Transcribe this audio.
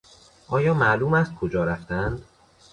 آیا معلوم است کجا رفتند؟